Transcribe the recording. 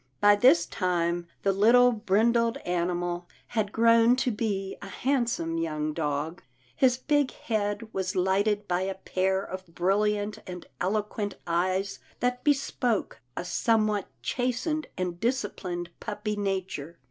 By this time, the little brindled animal had grown to be a handsome young dog. His big head was lighted by a pair of brilliant and eloquent eyes that bespoke a somewhat chastened and disciplined puppy nature.